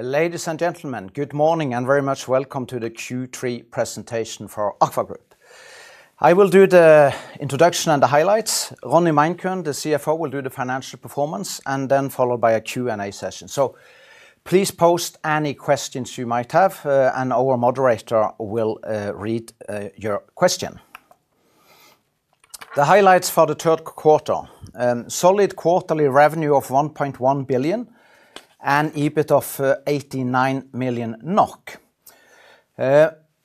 Ladies and gentlemen, good morning and very much welcome to the Q3 presentation for AKVA Group. I will do the introduction and the highlights. Ronny Meinkøhn, the CFO, will do the financial performance, and then followed by a Q&A session. Please post any questions you might have, and our moderator will read your question. The highlights for the third quarter: solid quarterly revenue of 1.1 billion and EBIT of 89 million NOK.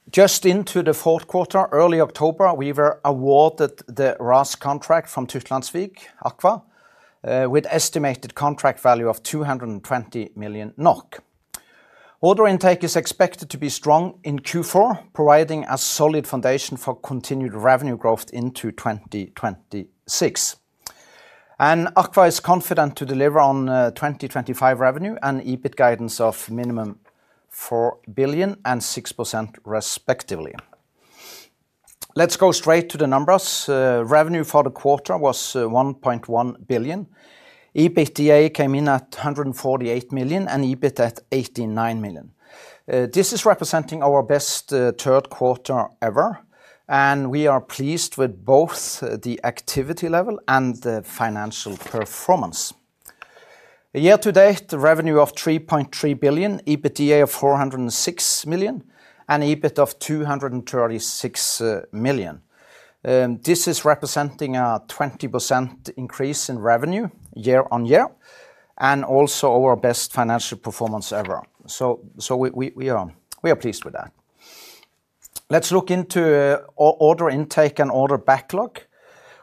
Just into the fourth quarter, early October, we were awarded the RAS contract from Tytlandsvik AKVA with an estimated contract value of 220 million NOK. Order intake is expected to be strong in Q4, providing a solid foundation for continued revenue growth into 2026. AKVA is confident to deliver on 2025 revenue and EBIT guidance of minimum 4 billion and 6% respectively. Let's go straight to the numbers. Revenue for the quarter was 1.1 billion. EBITDA came in at 148 million and EBIT at 89 million. This is representing our best third quarter ever, and we are pleased with both the activity level and the financial performance. Year to-date, revenue of 3.3 billion, EBITDA of 406 million, and EBIT of 236 million. This is representing a 20% increase in revenue year-on year and also our best financial performance ever. We are pleased with that. Let's look into order intake and order backlog.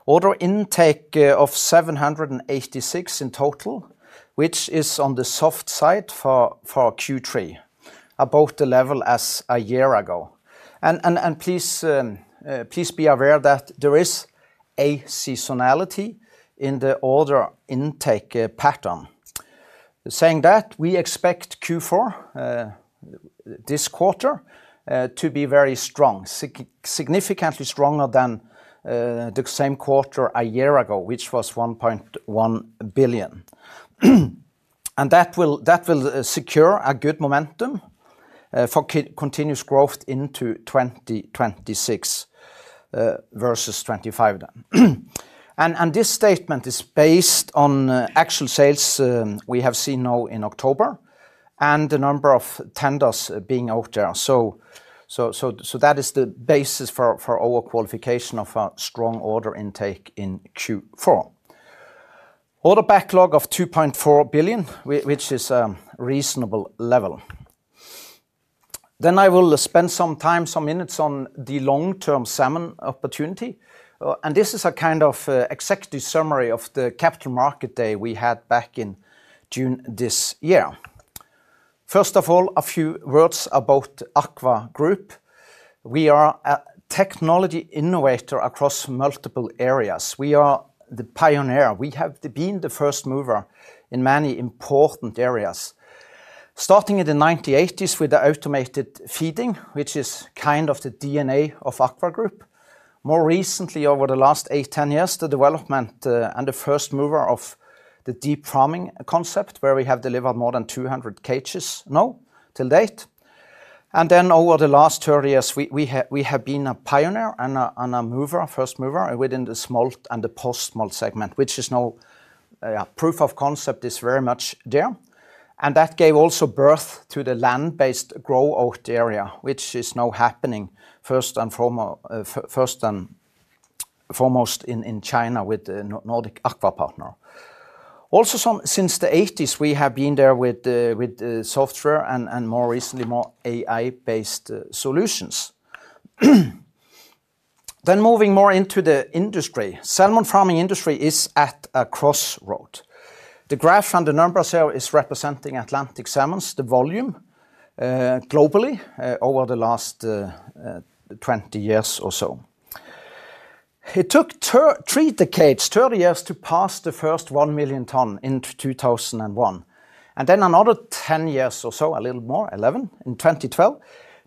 Order intake of 786 million in total, which is on the soft side for Q3, about the level as a year ago. Please be aware that there is a seasonality in the order intake pattern. Saying that, we expect Q4 this quarter to be very strong, significantly stronger than the same quarter a year ago, which was 1.1 billion. That will secure a good momentum for continuous growth into 2026 versus 2025 then. This statement is based on actual sales we have seen now in October and the number of tenders being out there. That is the basis for our qualification of a strong order intake in Q4. Order backlog of 2.4 billion, which is a reasonable level. I will spend some time, some minutes on the long-term SAM opportunity. This is a kind of executive summary of the capital market day we had back in June this year. First of all, a few words about AKVA Group. We are a technology innovator across multiple areas. We are the pioneer. We have been the first mover in many important areas. Starting in the 1980s with the automated feeding, which is kind of the DNA of AKVA Group. More recently, over the last 8-10 years, the development and the first mover of the deep farming concept, where we have delivered more than 200 cages now till date. Over the last 30 years, we have been a pioneer and a mover, first mover within the smolt and the post-smolt segment, which is now proof of concept is very much there. That gave also birth to the land-based grow-out area, which is now happening first and foremost in China with the Nordic AKVA partner. Also, since the 1980s, we have been there with software and more recently more AI-based solutions. Moving more into the industry, salmon farming industry is at a crossroad. The graph and the numbers here are representing Atlantic salmons, the volume globally over the last 20 years or so. It took three decades, 30 years to pass the first 1 million tonnes in 2001. Then another 10 years or so, a little more, 11 in 2012,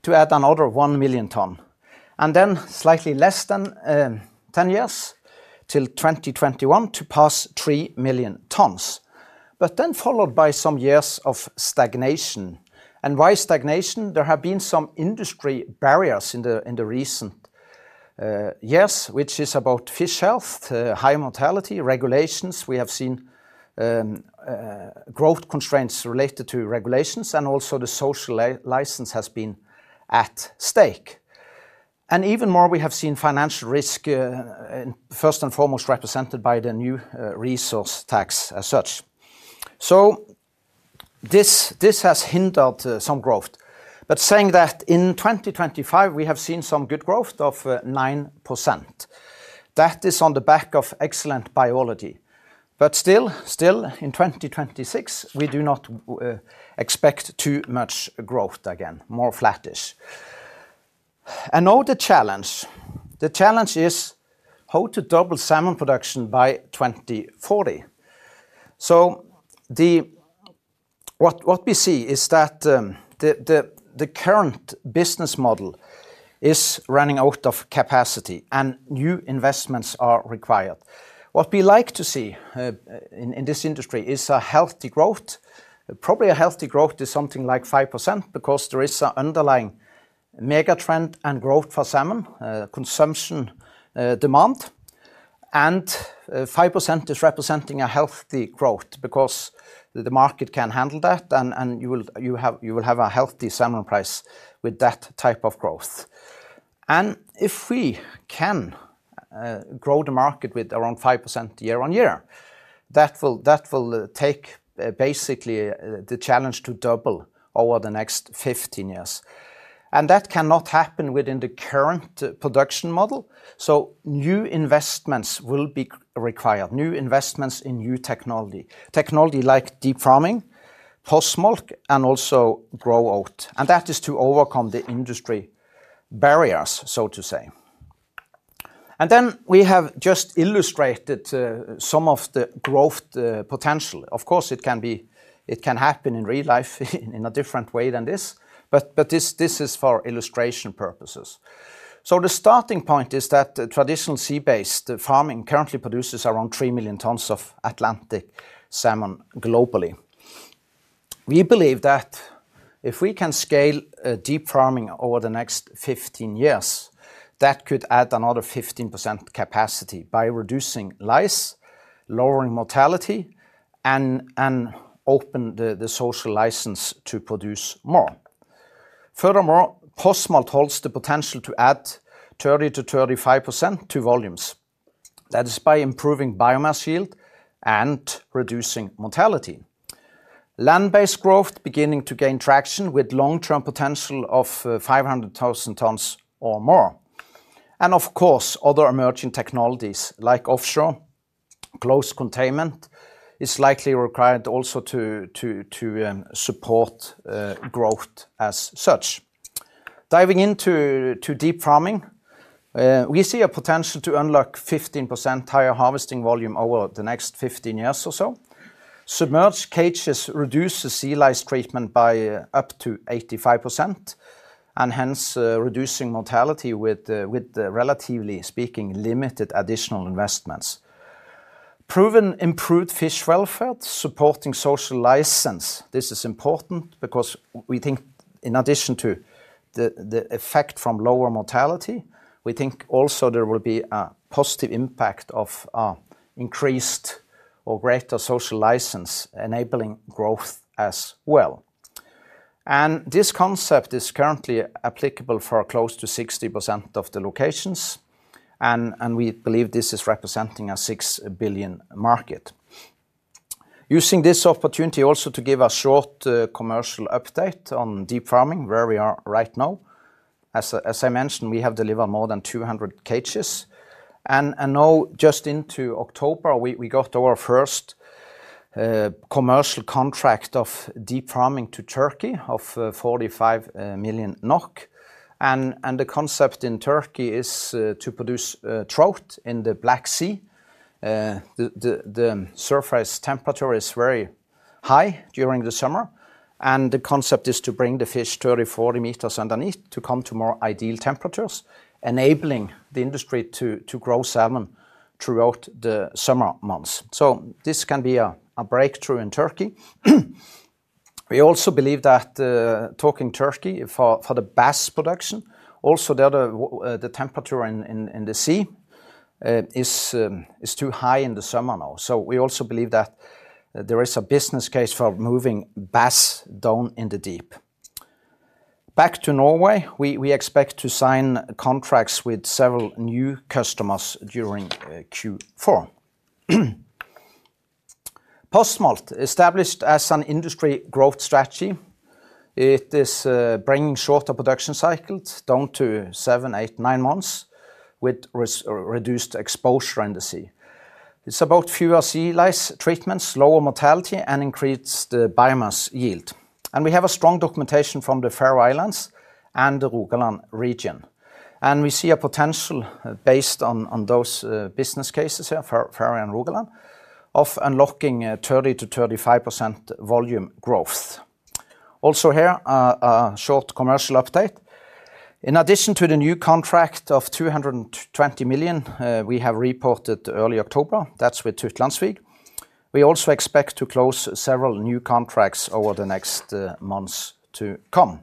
to add another 1 million tonnes. Then slightly less than 10 years till 2021 to pass 3 million tonnes. This was followed by some years of stagnation. Why stagnation? There have been some industry barriers in recent years, which is about fish health, high mortality, regulations. We have seen growth constraints related to regulations and also the social license has been at stake. Even more, we have seen financial risk, first and foremost represented by the new resource tax as such. This has hindered some growth. Saying that, in 2025 we have seen some good growth of 9%. That is on the back of excellent biology. Still, in 2026 we do not expect too much growth again, more flattish. The challenge is how to double salmon production by 2040. What we see is that the current business model is running out of capacity and new investments are required. What we like to see in this industry is a healthy growth. Probably a healthy growth is something like 5% because there is an underlying mega trend and growth for salmon consumption demand. 5% is representing a healthy growth because the market can handle that and you will have a healthy salmon price with that type of growth. If we can grow the market with around 5% year-on-year, that will take basically the challenge to double over the next 15 years. That cannot happen within the current production model. New investments will be required, new investments in new technology, technology like deep farming, post-smolt, and also grow-out. That is to overcome the industry barriers, so to say. We have just illustrated some of the growth potential. Of course, it can happen in real life in a different way than this, but this is for illustration purposes. The starting point is that traditional sea-based farming currently produces around 3 million tonnes of Atlantic salmon globally. We believe that if we can scale deep farming over the next 15 years, that could add another 15% capacity by reducing lice, lowering mortality, and opening the social license to produce more. Furthermore, post-smolt holds the potential to add 30-35% to volumes. That is by improving biomass yield and reducing mortality. Land-based grow-out is beginning to gain traction with long-term potential of 500,000 tonnes or more. Of course, other emerging technologies like offshore close containment is likely required also to support growth as such. Diving into deep farming, we see a potential to unlock 15% higher harvesting volume over the next 15 years or so. Submerged cages reduce the sea lice treatment by up to 85% and hence reducing mortality with relatively speaking limited additional investments. Proven improved fish welfare supporting social license. This is important because we think in addition to the effect from lower mortality, we think also there will be a positive impact of increased or greater social license enabling growth as well. This concept is currently applicable for close to 60% of the locations. We believe this is representing a $6 billion market. Using this opportunity also to give a short commercial update on deep farming, where we are right now. As I mentioned, we have delivered more than 200 cages. Now just into October, we got our first commercial contract of deep farming to Turkey of 45 million NOK. The concept in Turkey is to produce trout in the Black Sea. The surface temperature is very high during the summer. The concept is to bring the fish 30-40 meters underneath to come to more ideal temperatures, enabling the industry to grow salmon throughout the summer months. This can be a breakthrough in Turkey. We also believe that talking Turkey for the bass production, also the temperature in the sea is too high in the summer now. We also believe that there is a business case for moving bass down in the deep. Back to Norway, we expect to sign contracts with several new customers during Q4. Post-smolt, established as an industry growth strategy, it is bringing shorter production cycles down to seven, eight, nine months with reduced exposure in the sea. It's about fewer sea lice treatments, lower mortality, and increased biomass yield. We have strong documentation from the Faroe Islands and the Rogaland region. We see a potential based on those business cases here, Faroe and Rogaland, of unlocking 30-35% volume growth. Also here, a short commercial update. In addition to the new contract of 220 million, we have reported early October. That's with Tytlandsvik. We also expect to close several new contracts over the next months to come.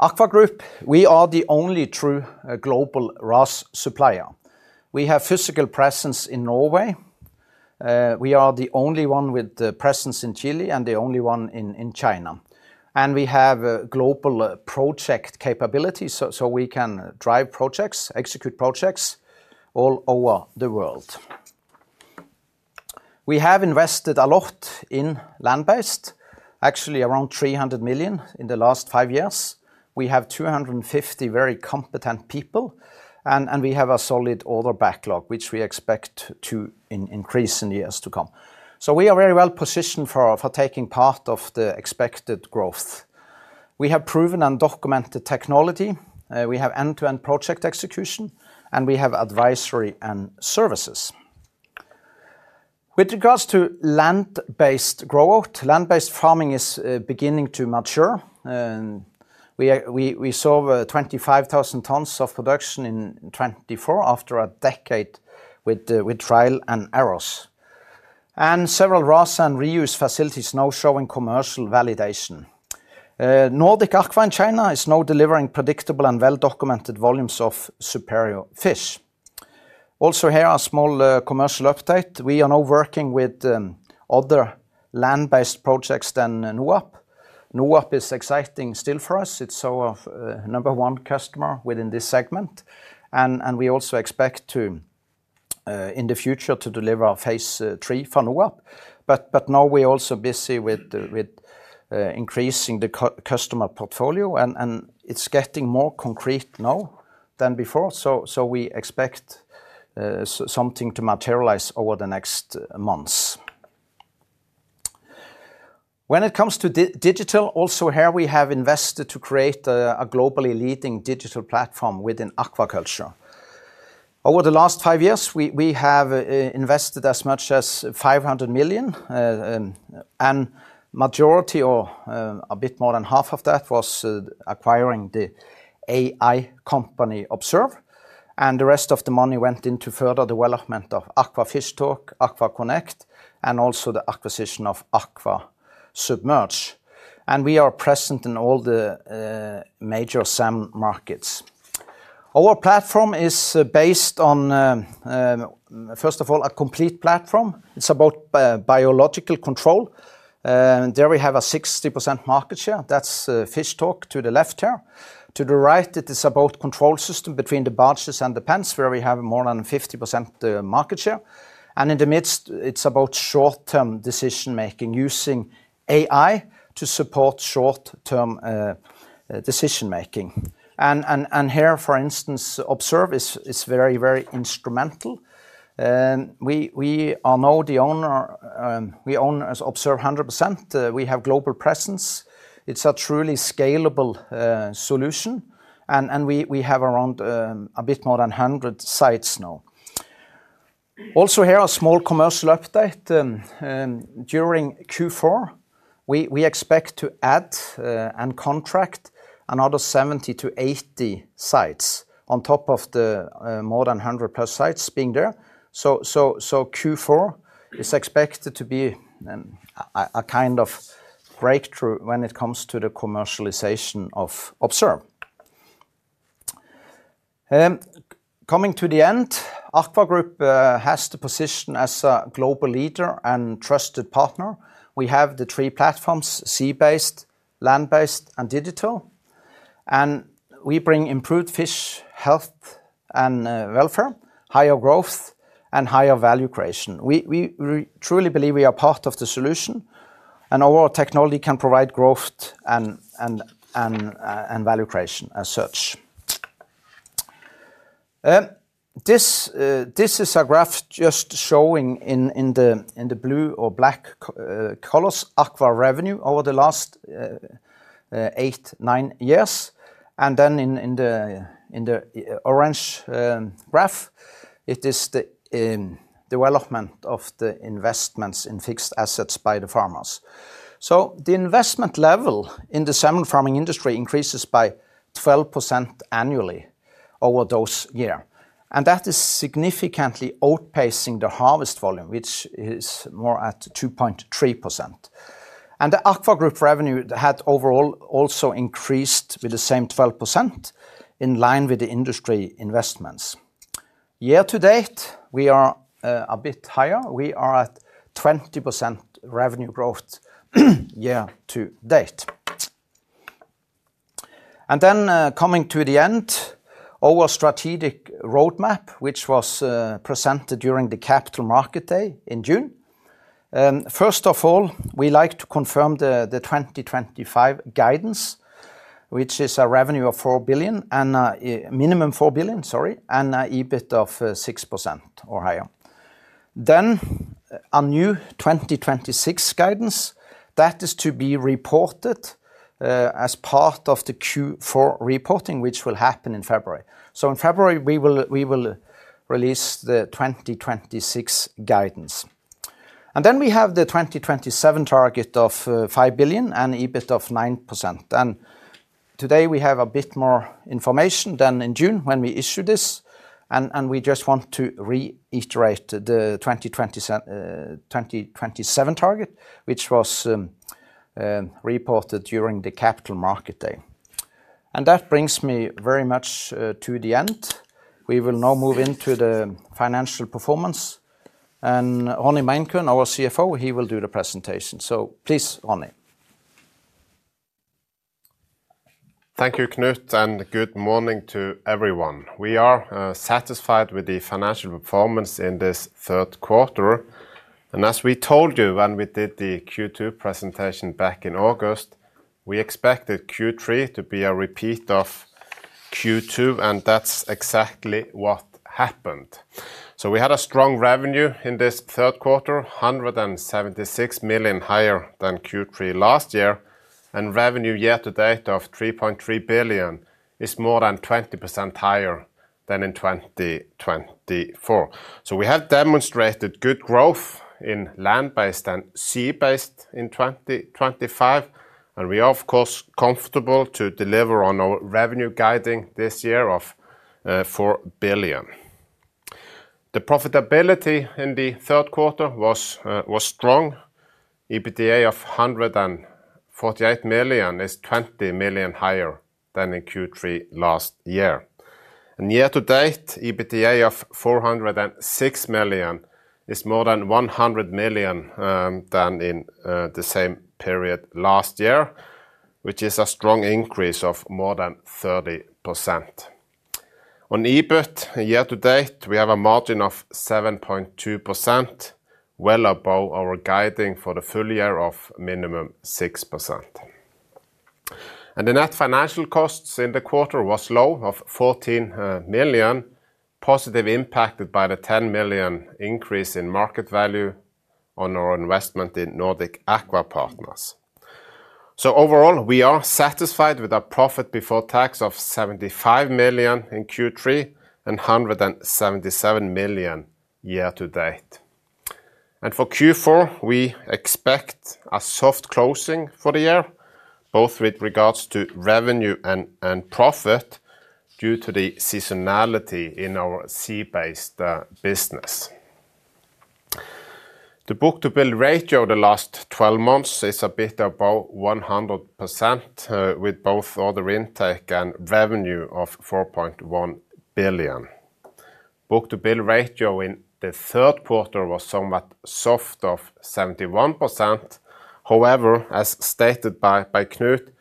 AKVA Group, we are the only true global RAS supplier. We have physical presence in Norway. We are the only one with the presence in Chile and the only one in China. We have global project capabilities so we can drive projects, execute projects all over the world. We have invested a lot in land-based, actually around 300 million in the last five years. We have 250 very competent people and we have a solid order backlog, which we expect to increase in the years to come. We are very well positioned for taking part of the expected growth. We have proven and documented technology. We have end-to-end project execution and we have advisory and services. With regards to land-based growth, land-based farming is beginning to mature. We saw 25,000 tonnes of production in 2024 after a decade with trial and errors. Several RAS and reuse facilities are now showing commercial validation. Nordic AKVA Partners in China is now delivering predictable and well-documented volumes of superior fish. Also here a small commercial update. We are now working with other land-based projects than NOOAP. NOOAP is exciting still for us. It's our number one customer within this segment. We also expect in the future to deliver phase three for NOOAP. Now we are also busy with increasing the customer portfolio and it's getting more concrete now than before. We expect something to materialize over the next months. When it comes to digital, also here we have invested to create a globally leading digital platform within aquaculture. Over the last five years, we have invested as much as 500 million. A majority or a bit more than half of that was acquiring the AI company Observe. The rest of the money went into further development of AKVA Fish Talk, AKVA Connect, and also the acquisition of AKVA Submerge. We are present in all the major SAM markets. Our platform is based on, first of all, a complete platform. It's about biological control. There we have a 60% market share. That's Fishtalk to the left here. To the right, it is about control system between the barges and the pens, where we have more than 50% market share. In the midst, it's about short-term decision making using AI to support short-term decision making. Here, for instance, Observe is very, very instrumental. We are now the owner. We own Observe 100%. We have global presence. It's a truly scalable solution. We have around a bit more than 100 sites now. Also here a small commercial update. During Q4, we expect to add and contract another 70-80 sites on top of the more than 100 plus sites being there. Q4 is expected to be a kind of breakthrough when it comes to the commercialization of Observe. Coming to the end, AKVA Group has the position as a global leader and trusted partner. We have the three platforms: sea-based, land-based, and digital. We bring improved fish health and welfare, higher growth, and higher value creation. We truly believe we are part of the solution. Our technology can provide growth and value creation as such. This is a graph just showing in the blue or black colors AKVA revenue over the last eight, nine years. In the orange graph, it is the development of the investments in fixed assets by the farmers. The investment level in the salmon farming industry increases by 12% annually over those years. That is significantly outpacing the harvest volume, which is more at 2.3%. The AKVA Group revenue had overall also increased with the same 12% in line with the industry investments. Year-to-date, we are a bit higher. We are at 20% revenue growth year-to-date. Coming to the end, our strategic roadmap, which was presented during the capital market day in June. First of all, we like to confirm the 2025 guidance, which is a revenue of 4 billion, a minimum 4 billion, sorry, and an EBIT of 6% or higher. A new 2026 guidance is to be reported as part of the Q4 reporting, which will happen in February. In February, we will release the 2026 guidance. We have the 2027 target of 5 billion and EBIT of 9%. Today we have a bit more information than in June when we issued this. We just want to reiterate the 2027 target, which was reported during the capital market day. That brings me very much to the end. We will now move into the financial performance. Ronny Meinköhn, our CFO, will do the presentation. Please, Ronny. Thank you, Knut, and good morning to everyone. We are satisfied with the financial performance in this third quarter. As we told you when we did the Q2 presentation back in August, we expected Q3 to be a repeat of Q2, and that is exactly what happened. We had strong revenue in this third quarter, 176 million higher than Q3 last year, and revenue year-to-date of 3.3 billion is more than 20% higher than in 2024. We have demonstrated good growth in land-based and sea-based in 2025. We are, of course, comfortable to deliver on our revenue guiding this year of 4 billion. The profitability in the third quarter was strong. EBITDA of 148 million is 20 million higher than in Q3 last year. Year-to-date, EBITDA of 406 million is more than 100 million higher than in the same period last year, which is a strong increase of more than 30%. On EBIT, year-to-date, we have a margin of 7.2%, well above our guiding for the full year of minimum 6%. The net financial costs in the quarter was low at 14 million, positively impacted by the 10 million increase in market value on our investment in Nordic AKVA Partners. Overall, we are satisfied with our profit before tax of 75 million in Q3 and 177 million year-to-date. For Q4, we expect a soft closing for the year, both with regards to revenue and profit due to the seasonality in our sea-based business. The book-to-bill ratio the last 12 months is a bit above 100%, with both order intake and revenue of 4.1 billion. Book-to-bill ratio in the third quarter was somewhat soft at 71%. However, as stated by Knut,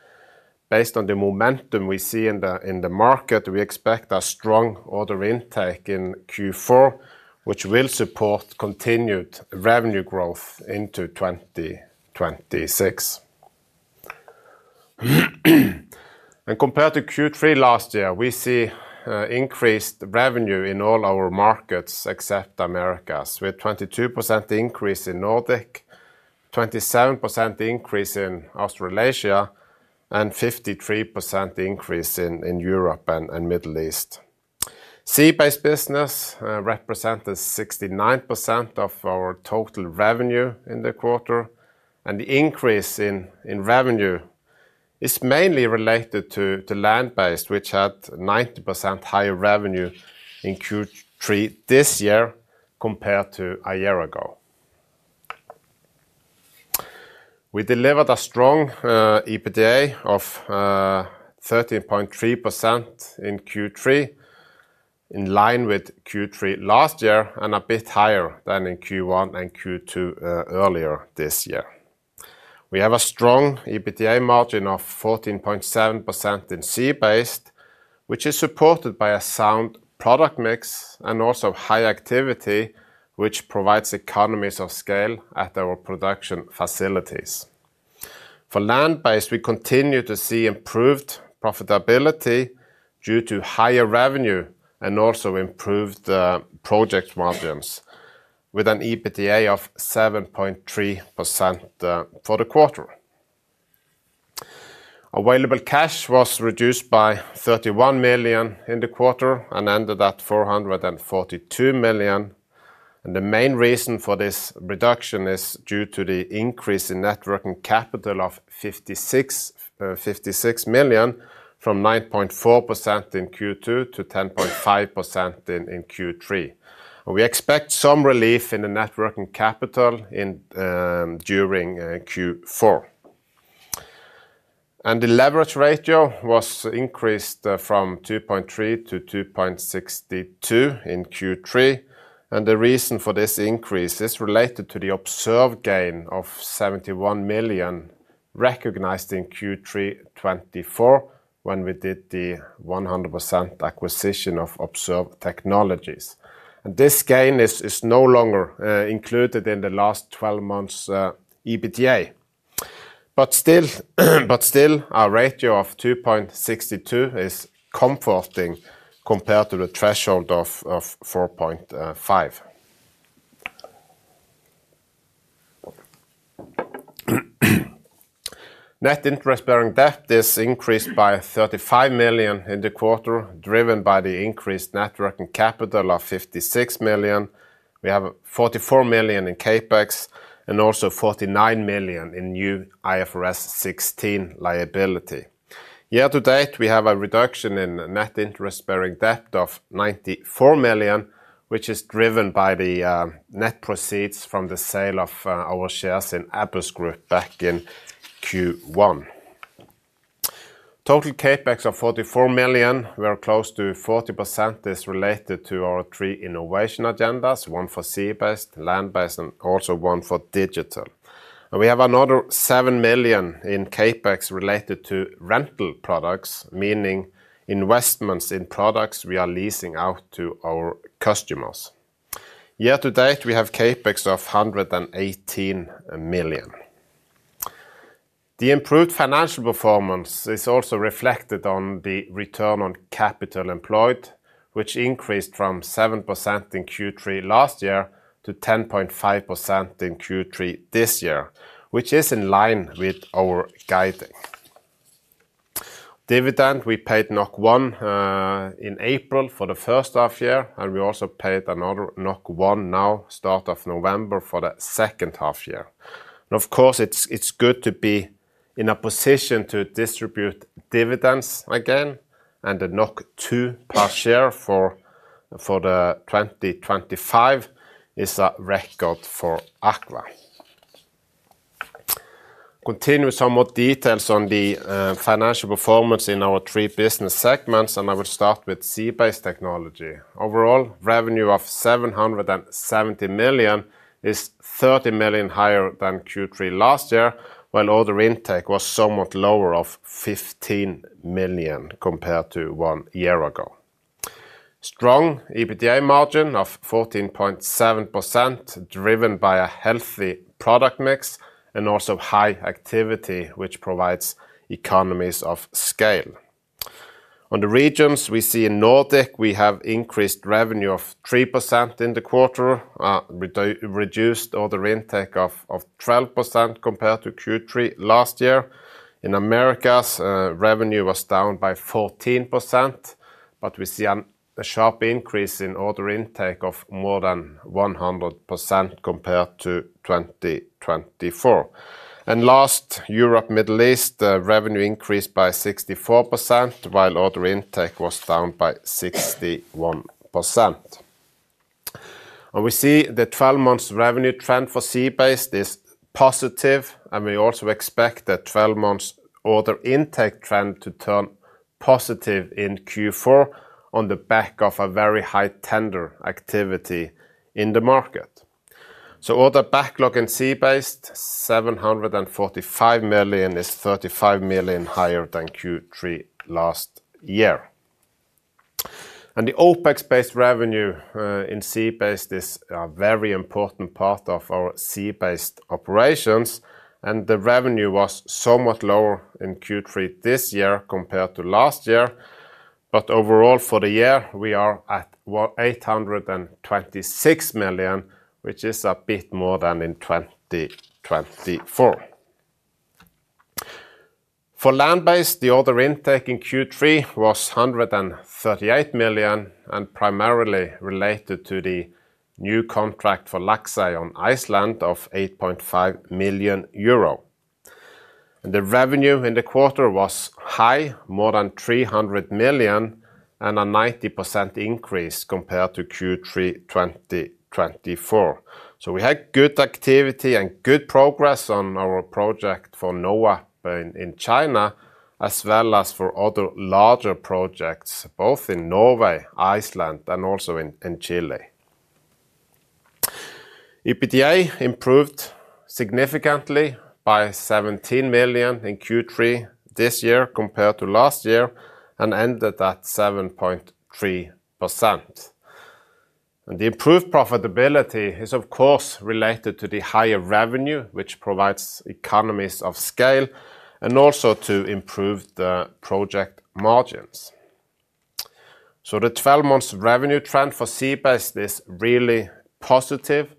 based on the momentum we see in the market, we expect a strong order intake in Q4, which will support continued revenue growth into 2026. Compared to Q3 last year, we see increased revenue in all our markets except Americas, with 22% increase in Nordic, 27% increase in Australasia, and 53% increase in Europe and Middle East. Sea-based business represented 69% of our total revenue in the quarter. The increase in revenue is mainly related to land-based, which had 90% higher revenue in Q3 this year compared to a year ago. We delivered a strong EBITDA of 13.3% in Q3, in line with Q3 last year and a bit higher than in Q1 and Q2 earlier this year. We have a strong EBITDA margin of 14.7% in sea-based, which is supported by a sound product mix and also high activity, which provides economies of scale at our production facilities. For land-based, we continue to see improved profitability due to higher revenue and also improved project margins, with an EBITDA of 7.3% for the quarter. Available cash was reduced by 31 million in the quarter and ended at 442 million. The main reason for this reduction is due to the increase in net working capital of 56 million from 9.4% in Q2 to 10.5% in Q3. We expect some relief in the networking capital during Q4. The leverage ratio was increased from 2.3 to 2.62 in Q3. The reason for this increase is related to the observed gain of 71 million recognized in Q3 2024 when we did the 100% acquisition of Observe Technologies. This gain is no longer included in the last 12 months' EBITDA. Still, our ratio of 2.62 is comforting compared to the threshold of 4.5. Net interest-bearing debt is increased by 35 million in the quarter, driven by the increased networking capital of 56 million. We have 44 million in CapEx and also 49 million in new IFRS 16 liability. Year-to-date, we have a reduction in net interest-bearing debt of 94 million, which is driven by the net proceeds from the sale of our shares in Abus Group back in Q1. Total CapEx of 44 million, where close to 40% is related to our three innovation agendas, one for sea-based, land-based, and also one for digital. We have another 7 million in CapEx related to rental products, meaning investments in products we are leasing out to our customers. Year-to-date, we have CapEx of 118 million. The improved financial performance is also reflected on the return on capital employed, which increased from 7% in Q3 last year to 10.5% in Q3 this year, which is in line with our guiding. Dividend, we paid 1 in April for the first half year, and we also paid another 1 now, start of November, for the second half year. Of course, it is good to be in a position to distribute dividends again. The 2 per share for 2025 is a record for AKVA Group. Continue with some more details on the financial performance in our three business segments, and I will start with sea-based technology. Overall, revenue of 770 million is 30 million higher than Q3 last year, while order intake was somewhat lower of 15 million compared to one year ago. Strong EBITDA margin of 14.7%, driven by a healthy product mix and also high activity, which provides economies of scale. On the regions, we see in Nordic, we have increased revenue of 3% in the quarter, reduced order intake of 12% compared to Q3 last year. In Americas, revenue was down by 14%, but we see a sharp increase in order intake of more than 100% compared to 2024. Last, Europe, Middle East, revenue increased by 64%, while order intake was down by 61%. We see the 12-month revenue trend for sea-based is positive, and we also expect the 12-month order intake trend to turn positive in Q4 on the back of a very high tender activity in the market. Order backlog in sea-based, 745 million, is 35 million higher than Q3 last year. The OpEx-based revenue in sea-based is a very important part of our sea-based operations, and the revenue was somewhat lower in Q3 this year compared to last year. Overall, for the year, we are at 826 million, which is a bit more than in 2024. For land-based, the order intake in Q3 was 138 million and primarily related to the new contract for Laksey on Iceland of 8.5 million euro. The revenue in the quarter was high, more than 300 million, and a 90% increase compared to Q3 2024. We had good activity and good progress on our project for NOOAP in China, as well as for other larger projects, both in Norway, Iceland, and also in Chile. EBITDA improved significantly by 17 million in Q3 this year compared to last year and ended at 7.3%. The improved profitability is, of course, related to the higher revenue, which provides economies of scale, and also to improved project margins. The 12-month revenue trend for sea-based is really positive,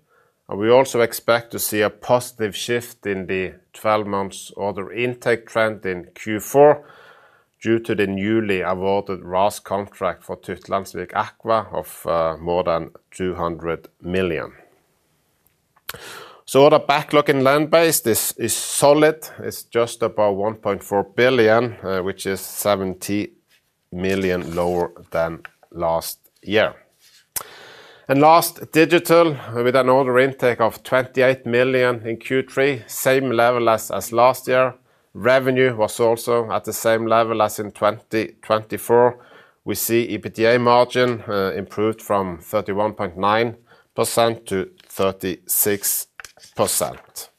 and we also expect to see a positive shift in the 12-month order intake trend in Q4 due to the newly awarded RAS contract for Tytlandsvik AKVA of more than 200 million. Order backlog in land-based is solid. It is just above 1.4 billion, which is 70 million lower than last year. Last, digital, with an order intake of 28 million in Q3, same level as last year. Revenue was also at the same level as in 2024. We see EBITDA margin improved from 31.9%-36%.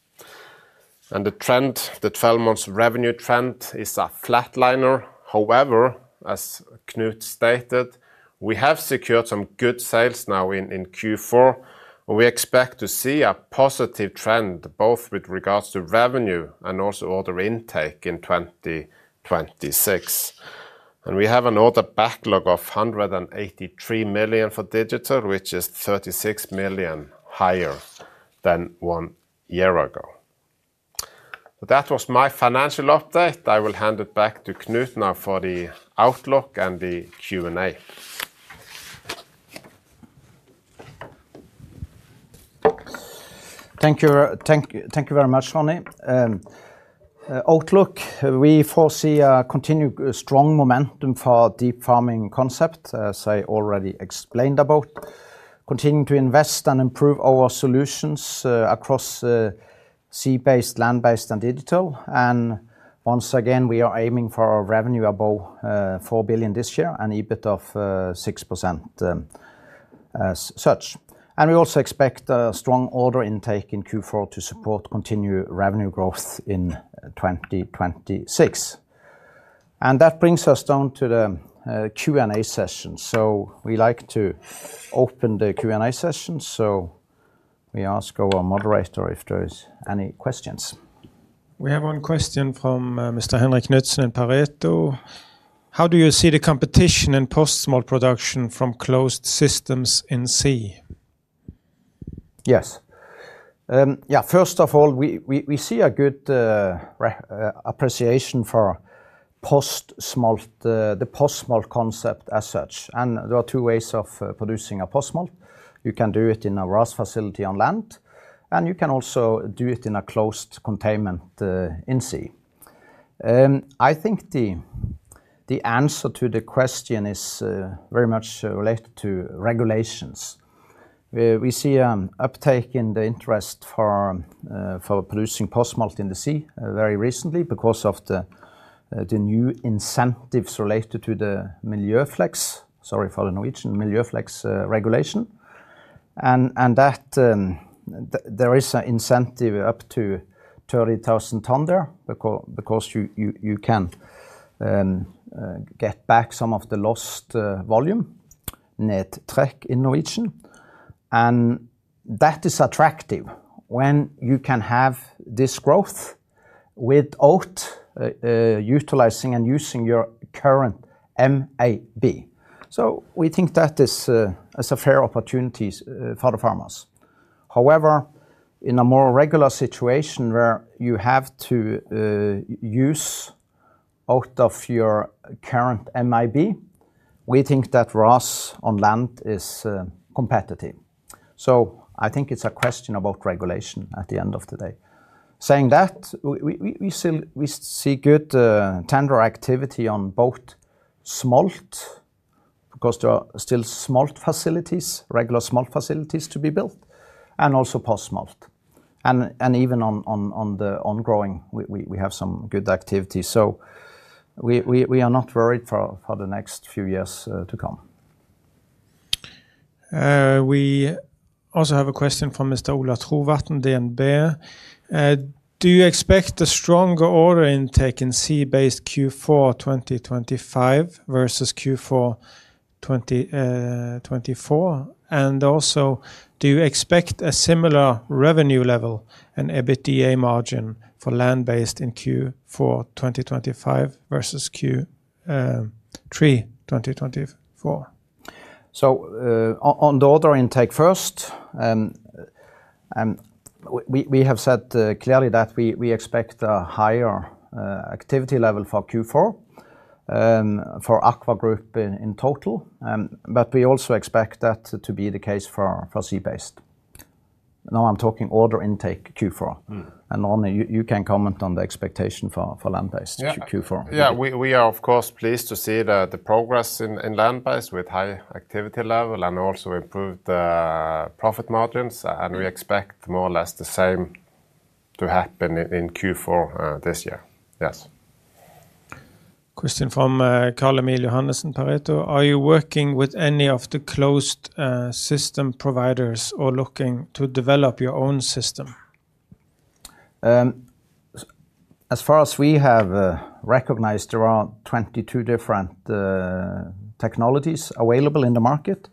The trend, the 12-month revenue trend, is a flatliner. However, as Knut stated, we have secured some good sales now in Q4, and we expect to see a positive trend both with regards to revenue and also order intake in 2026. We have an order backlog of 183 million for digital, which is 36 million higher than one year ago. That was my financial update. I will hand it back to Knut now for the outlook and the Q&A. Thank you very much, Ronny. Outlook, we foresee a continued strong momentum for deep farming concept, as I already explained about. Continue to invest and improve our solutions across sea-based, land-based, and digital. Once again, we are aiming for our revenue above 4 billion this year and EBIT of 6% as such. We also expect a strong order intake in Q4 to support continued revenue growth in 2026. That brings us down to the Q&A session. We would like to open the Q&A session. We ask our moderator if there are any questions. We have one question from Mr. Henrik Knutsen in Pareto. How do you see the competition in post-smolt production from closed systems in sea? Yes. First of all, we see a good appreciation for the post-smolt concept as such. There are two ways of producing a post-smolt. You can do it in a RAS facility on land, and you can also do it in a closed containment in sea. I think the answer to the question is very much related to regulations. We see an uptake in the interest for producing post-smolt in the sea very recently because of the new incentives related to the Miljøflex, sorry, for the Norwegian Miljøflex regulation. There is an incentive up to 30,000 ton there because you can get back some of the lost volume, net trek in Norwegian. That is attractive when you can have this growth without utilizing and using your current MAB. We think that is a fair opportunity for the farmers. However, in a more regular situation where you have to use out of your current MAB, we think that RAS on land is competitive. I think it is a question about regulation at the end of the day. Saying that, we see good tender activity on both smolt because there are still smolt facilities, regular smolt facilities to be built, and also post-smolt. Even on the ongoing, we have some good activity. We are not worried for the next few years to come. We also have a question from Mr. Ola Trovatten, DNB. Do you expect a stronger order intake in sea-based Q4 2025 versus Q4 2024? Also, do you expect a similar revenue level and EBITDA margin for land-based in Q4 2025 versus Q3 2024? On the order intake first, we have said clearly that we expect a higher activity level for Q4 for AKVA Group in total. We also expect that to be the case for sea-based. Now I am talking order intake Q4. Ronny, you can comment on the expectation for land-based Q4. Yeah, we are of course pleased to see the progress in land-based with high activity level and also improved profit margins. We expect more or less the same to happen in Q4 this year. Yes. Question from Karl-Emil Johannesen, Pareto. Are you working with any of the closed system providers or looking to develop your own system? As far as we have recognized, there are 22 different technologies available in the market.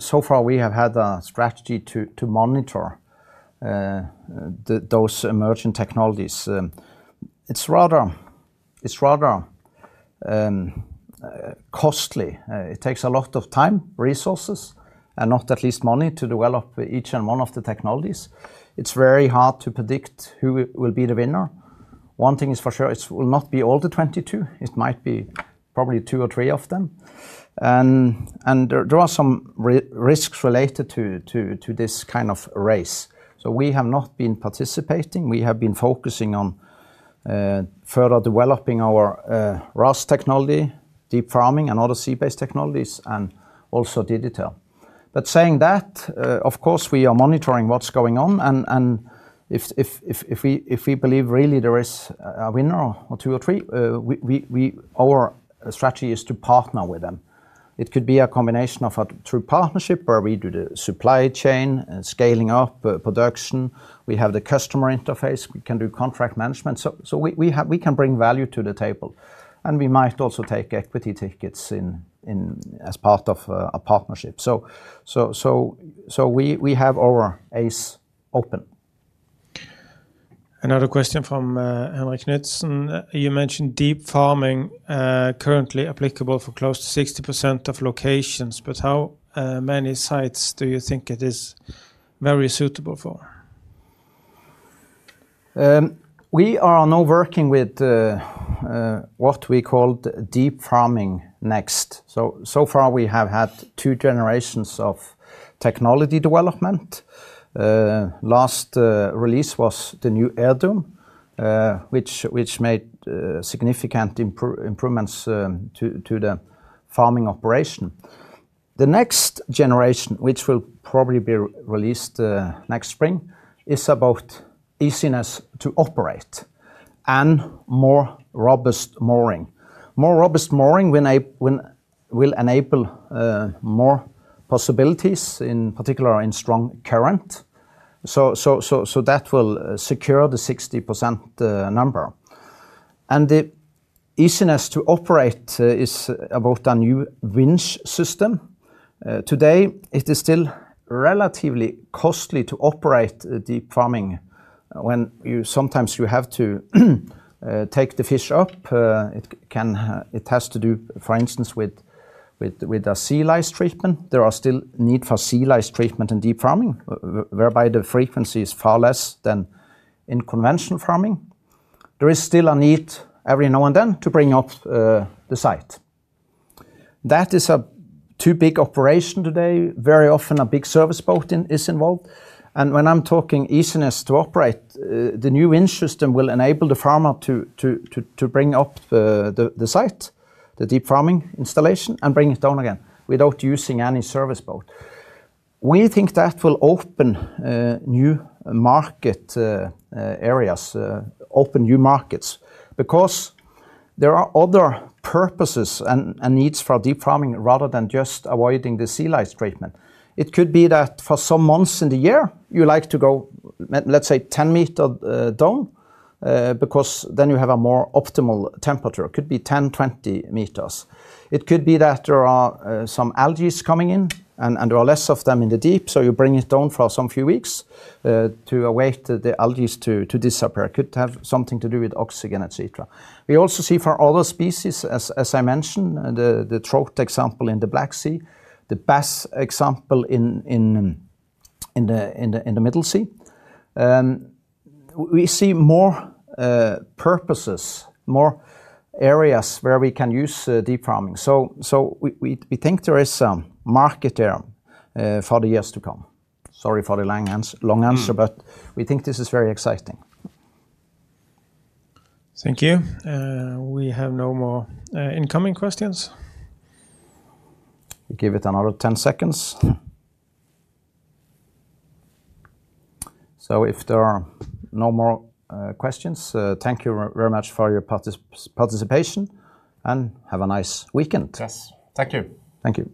So far, we have had a strategy to monitor those emerging technologies. It is rather costly. It takes a lot of time, resources, and not at least money to develop each and one of the technologies. It is very hard to predict who will be the winner. One thing is for sure, it will not be all the 22. It might be probably two or three of them. There are some risks related to this kind of race. We have not been participating. We have been focusing on further developing our RAS technology, deep farming, and other sea-based technologies, and also digital. That said, of course, we are monitoring what's going on. If we believe really there is a winner or two or three, our strategy is to partner with them. It could be a combination of a true partnership where we do the supply chain, scaling up production. We have the customer interface. We can do contract management. We can bring value to the table. We might also take equity tickets as part of a partnership. We have our ace open. Another question from Henrik Knutsen. You mentioned deep farming currently applicable for close to 60% of locations, but how many sites do you think it is very suitable for? We are now working with what we called deep farming next. So far, we have had two generations of technology development. Last release was the new AirDoom, which made significant improvements to the farming operation. The next generation, which will probably be released next spring, is about easiness to operate and more robust mooring. More robust mooring will enable more possibilities, in particular in strong current. That will secure the 60% number. The easiness to operate is about a new winch system. Today, it is still relatively costly to operate deep farming when sometimes you have to take the fish up. It has to do, for instance, with a sea-lice treatment. There is still a need for sea-lice treatment in deep farming, whereby the frequency is far less than in conventional farming. There is still a need every now and then to bring up the site. That is a too big operation today. Very often, a big service boat is involved. When I'm talking easiness to operate, the new winch system will enable the farmer to bring up the site, the deep farming installation, and bring it down again without using any service boat. We think that will open new market areas, open new markets, because there are other purposes and needs for deep farming rather than just avoiding the sea-lice treatment. It could be that for some months in the year, you like to go, let's say, 10 meters down because then you have a more optimal temperature. It could be 10, 20 meters. It could be that there are some algae coming in, and there are less of them in the deep, so you bring it down for some few weeks to await the algae to disappear. It could have something to do with oxygen, etc. We also see for other species, as I mentioned, the trout example in the Black Sea, the bass example in the Middle Sea. We see more purposes, more areas where we can use deep farming. We think there is a market there for the years to come. Sorry for the long answer, but we think this is very exciting. Thank you. We have no more incoming questions. We'll give it another 10 seconds. If there are no more questions, thank you very much for your participation and have a nice weekend. Yes, thank you. Thank you.